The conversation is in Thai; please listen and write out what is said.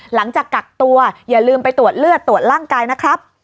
หลังจากกักตัวอย่าลืมไปตรวจเลือดตรวจร่างกายนะครับ